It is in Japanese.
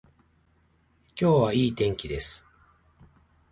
今日はいい天気です。